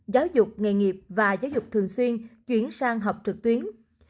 giáo dục nghề nghiệp và giáo dục thường xuyên chuyển sang học trực tuyến